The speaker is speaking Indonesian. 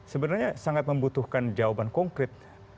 sebenarnya sangat membutuhkan jawaban konkret